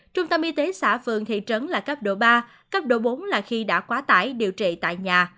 trung tâm y tế xã phường thị trấn là cấp độ ba cấp độ bốn là khi đã quá tải điều trị tại nhà